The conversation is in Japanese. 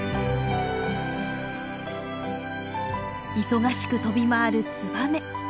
忙しく飛び回るツバメ。